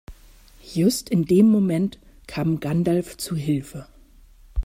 Just in dem Moment kam Gandalf zu Hilfe.